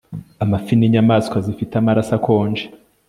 Amafi ninyamaswa zifite amaraso akonje